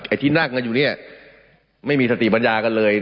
ที่นั่งกันอยู่เนี่ยไม่มีสติปัญญากันเลย